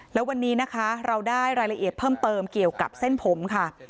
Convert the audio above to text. แล้ววันนี้นะคะเราได้รายละเอียดเพิ่มเติมเกี่ยวกับเส้นผมค่ะ